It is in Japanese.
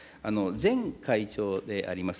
前会長であります